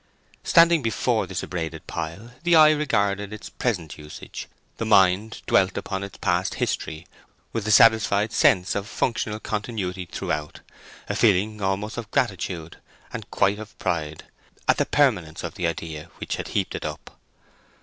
Standing before this abraded pile, the eye regarded its present usage, the mind dwelt upon its past history, with a satisfied sense of functional continuity throughout—a feeling almost of gratitude, and quite of pride, at the permanence of the idea which had heaped it up.